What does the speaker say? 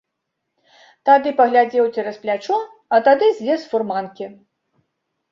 Тады паглядзеў цераз плячо, а тады злез з фурманкі.